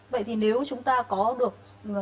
vậy thì nếu chúng ta có được